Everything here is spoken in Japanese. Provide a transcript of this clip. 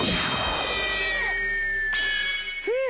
ふう。